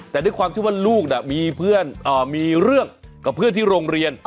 แต่ด้วยความที่ว่าลูกมีเพื่อนมีเรื่องกับเพื่อนที่โรงเรียน